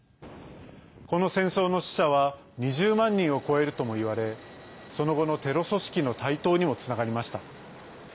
この戦争の死者は２０万人を超えるともいわれその後のテロ組織の台頭にもつながりました。